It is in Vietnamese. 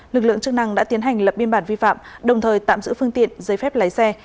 lực lượng chức năng đã tiến hành lập biên bản vi phạm đồng thời tạm giữ phương tiện giấy phép lái xe